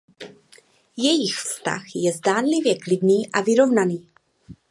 Jejich vztah je zdánlivě klidný a vyrovnaný.